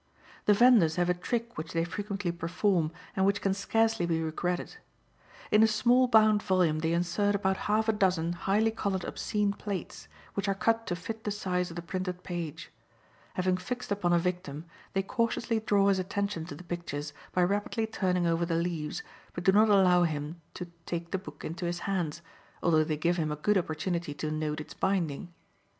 The venders have a trick which they frequently perform, and which can scarcely be regretted. In a small bound volume they insert about half a dozen highly colored obscene plates, which are cut to fit the size of the printed page. Having fixed upon a victim, they cautiously draw his attention to the pictures by rapidly turning over the leaves, but do not allow him to take the book into his hands, although they give him a good opportunity to note its binding.